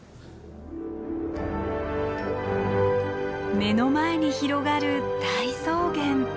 目の前に広がる大草原。